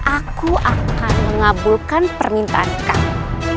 aku akan mengabulkan permintaan kami